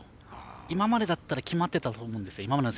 今までの選手だったら決まってたと思うんですよ。